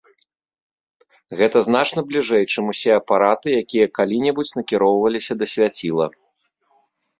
Гэта значна бліжэй, чым усе апараты, якія калі-небудзь накіроўваліся да свяціла.